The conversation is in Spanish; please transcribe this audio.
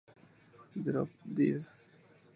Drop Dead!